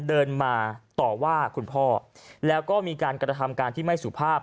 เดินมาต่อว่าคุณพ่อแล้วก็มีการกระทำการที่ไม่สุภาพ